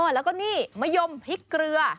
แล้วก็นี่มะยมพริกเกลือ